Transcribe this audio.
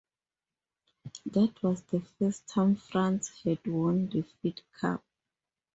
That was the first time France had won the Fed Cup.